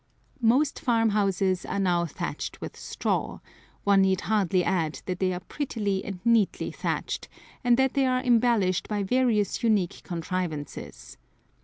Most farm houses are now thatched with straw; one need hardly add that they are prettily and neatly thatched, and that they are embellished by various unique contrivances.